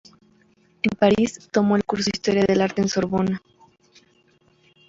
En París tomó el curso de Historia del Arte en la Sorbona.